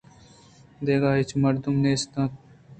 دگہ ہچ مردم نیست اَت